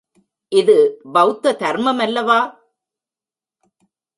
இது பௌத்த தர்மமல்லவா!